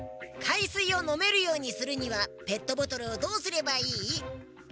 かいすいをのめるようにするにはペットボトルをどうすればいい？